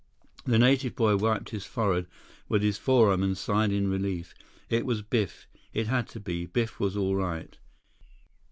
The native boy wiped his forehead with his forearm and sighed in relief. It was Biff. It had to be. Biff was all right.